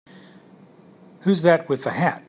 Who's that with the hat?